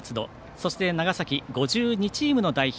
そして、長崎５２チームの代表